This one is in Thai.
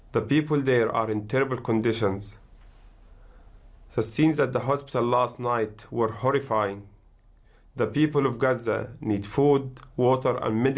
ทัวรุจเนื่องจากตัวโรงสร้างเป็นโรคยายได้